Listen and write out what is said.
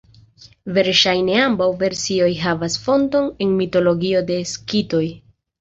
Verŝajne ambaŭ versioj havas fonton en mitologio de Skitoj.